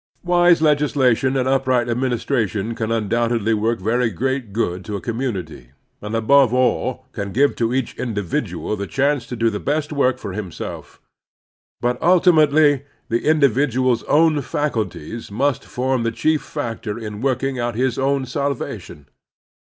Wise legislation and upright administration can tmdoubtedly work very great good to a com munity, and, above all, can give to each indi vidual the chance to do the best work for himself. But tiltimately the individual's own faculties must form the chief factor in working out his own sal vation.